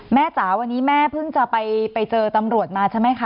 จ๋าวันนี้แม่เพิ่งจะไปเจอตำรวจมาใช่ไหมคะ